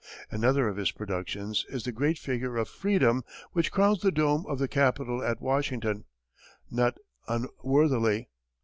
Another of his productions is the great figure of Freedom which crowns the dome of the Capitol at Washington, not unworthily.